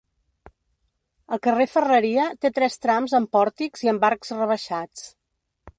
El carrer Ferreria té tres trams amb pòrtics i amb arcs rebaixats.